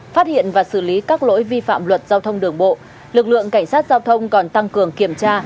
phát hiện và xử lý các lỗi vi phạm luật giao thông đường bộ lực lượng cảnh sát giao thông còn tăng cường kiểm tra